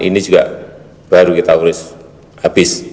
ini juga baru kita urus habis